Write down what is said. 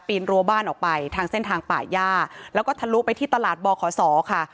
รัวบ้านออกไปทางเส้นทางป่าย่าแล้วก็ทะลุไปที่ตลาดบขศค่ะ